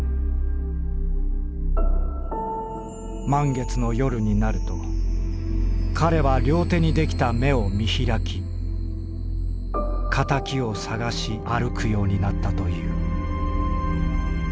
「満月の夜になると彼は両手にできた目を見開き仇を探し歩くようになったという」。